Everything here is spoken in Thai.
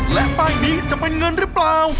และป้ายนี้จะเป็นเงินหรือเปล่า